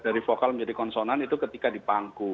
dari vokal menjadi konsonan itu ketika dipangku